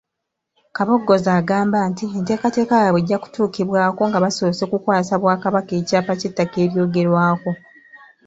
Kabogoza agamba nti enteekateeka yaabwe ejja kutuukibwako nga basoose kukwasa Bwakabaka ekyapa ky’ettaka eryogerwako.